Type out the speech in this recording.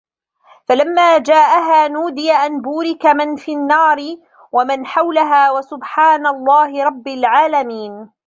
فَلَمّا جاءَها نودِيَ أَن بورِكَ مَن فِي النّارِ وَمَن حَولَها وَسُبحانَ اللَّهِ رَبِّ العالَمينَ